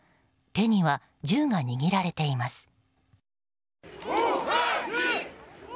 手には銃が握られています。